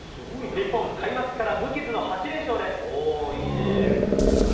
日本、開幕から無傷の８連勝です。